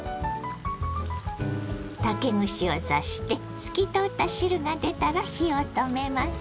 竹串を刺して透き通った汁が出たら火を止めます。